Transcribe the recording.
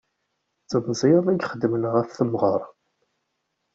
D temẓi i ixeddmen ɣef temɣer.